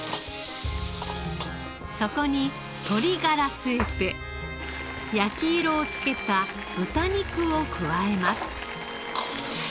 そこに鶏ガラスープ焼き色をつけた豚肉を加えます。